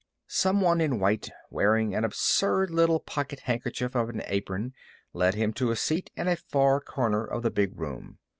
Some one in white wearing an absurd little pocket handkerchief of an apron led him to a seat in a far corner of the big room.